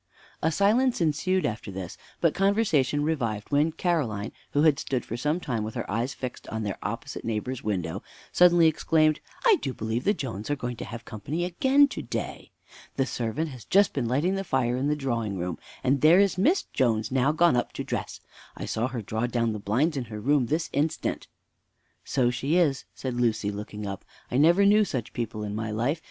A silence ensued after this; but conversation revived when Caroline, who had stood for some time with her eyes fixed on their opposite neighbor's window, suddenly exclaimed, "I do believe the Joneses are going to have company again to day! The servant has just been lighting the fire in the drawing room; and there is Miss Jones now gone up to dress. I saw her draw down the blinds in her room this instant." "So she is," said Lucy, looking up: "I never knew such people in my life!